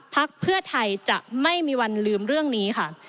พักเพื่อไทยจะไม่มีวันลืมเรื่องนี้ค่ะ